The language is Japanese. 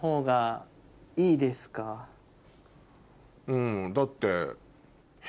うんだって。